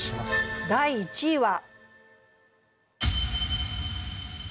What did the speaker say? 第２位は。